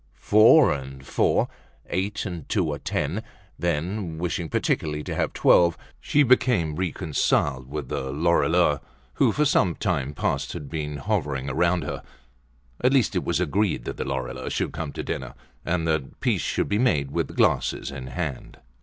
Four and four, eight, and two are ten. Then, wishing particularly to have twelve, she became reconciled with the Lorilleuxs, who for some time past had been hovering around her; at least it was agreed that the Lorilleuxs should come to dinner, and that peace should be made with glasses in hand.